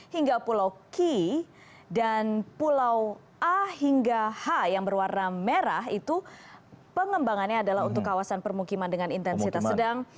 hingga pulau k dan pulau a hingga h yang berwarna merah itu pengembangannya adalah untuk kawasan permukiman dengan intensitas sedang